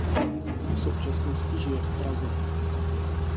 V současnosti žije v Praze.